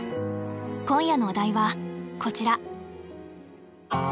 今夜のお題はこちら。